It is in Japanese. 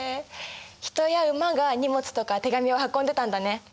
人や馬が荷物とか手紙を運んでたんだね。